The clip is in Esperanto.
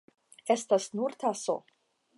Estas nur taso.